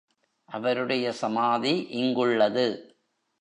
அவருடைய சமாதி இங்குள்ளது.